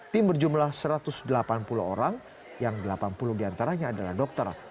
tim berjumlah satu ratus delapan puluh orang yang delapan puluh diantaranya adalah dokter